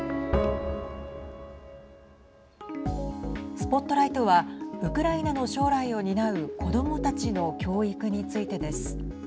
ＳＰＯＴＬＩＧＨＴはウクライナの将来を担う子どもたちの教育についてです。